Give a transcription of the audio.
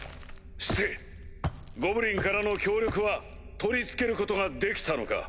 してゴブリンからの協力は取り付けることができたのか？